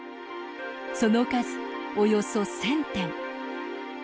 その数、およそ１０００点。